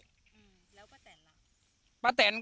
แล้วป้าแตนล่ะ